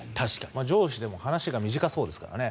上司でも話が短そうですからね。